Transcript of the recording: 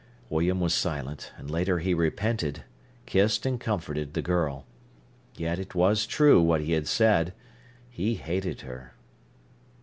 William was silent, and later he repented, kissed and comforted the girl. Yet it was true, what he had said. He hated her.